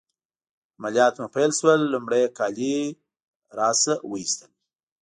عملیات مې پیل شول، لمړی يې کالي رانه وایستل.